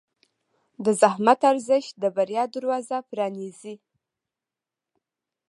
د زحمت ارزښت د بریا دروازه پرانیزي.